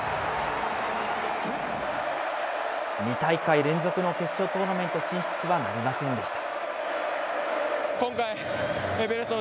２大会連続の決勝トーナメント進出はなりませんでした。